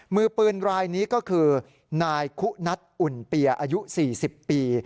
มือปืนรายนี้ก็คือนายคุณัทอุ่นเปียอายุ๔๐ปี